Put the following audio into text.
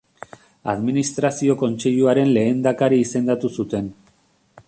Administrazio Kontseiluaren Lehendakari izendatu zuten.